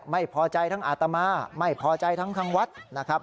ไม่พอใจทั้งอาตมาไม่พอใจทั้งทางวัดนะครับ